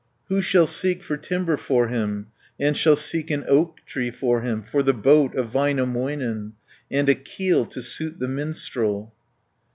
Who shall seek for timber for him, And shall seek an oak tree for him, 10 For the boat of Väinämöinen, And a keel to suit the minstrel?